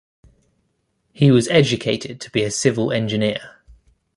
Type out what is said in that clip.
He was educated to be a civil engineer.